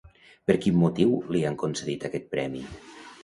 Per quin motiu li han concedit aquest premi?